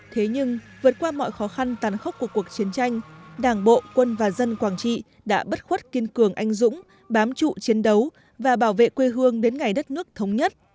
thế nhưng vượt qua mọi khó khăn tàn khốc của cuộc chiến tranh đảng bộ quân và dân quảng trị đã bất khuất kiên cường anh dũng bám trụ chiến đấu và bảo vệ quê hương đến ngày đất nước thống nhất